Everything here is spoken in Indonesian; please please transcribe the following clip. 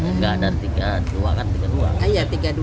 nggak ada rp tiga puluh dua kan rp tiga puluh dua